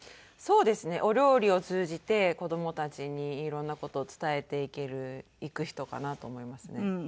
そうですねお料理を通じて子どもたちにいろんな事を伝えていく人かなと思いますね。